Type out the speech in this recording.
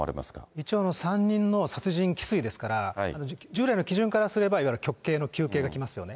一応、３人の殺人きすいですから、従来の基準からすれば、いわゆる極刑の求刑がきますよね。